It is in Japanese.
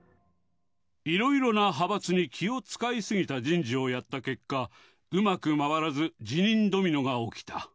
いろいろな派閥に気を遣い過ぎた人事をやった結果、うまく回らず、辞任ドミノが起きた。